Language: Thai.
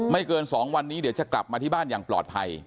เกิน๒วันนี้เดี๋ยวจะกลับมาที่บ้านอย่างปลอดภัย